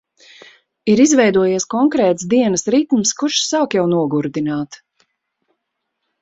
Ir izveidojies konkrēts dienas ritms, kurš sāk jau nogurdināt.